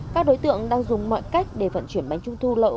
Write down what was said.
các đối tượng đang dùng mọi cách để vận chuyển bánh trung thu lậu